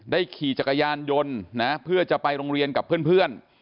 ขี่จักรยานยนต์นะเพื่อจะไปโรงเรียนกับเพื่อน